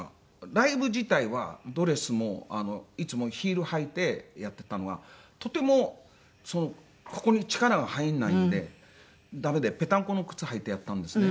ライブ自体はドレスもいつもヒール履いてやってたのがとてもそのここに力が入らないのでダメでペタンコの靴履いてやったんですね。